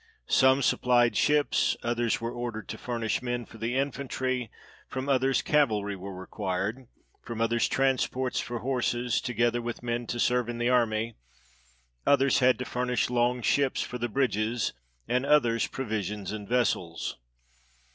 Some supplied ships; others were ordered to furnish men for the infantry, from others cavalry were required, from others transports for horses, together with men to serve in the army; others had to furnish long ships for the bridges, and others pro visions and vessels.